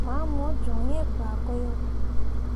Ma mu joŋ iŋ gbaako yo.